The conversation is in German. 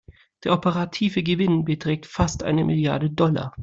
Der operative Gewinn beträgt fast eine Milliarde Dollar.